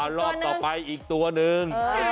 อ่าวรอบต่อไปอีกตัวนึง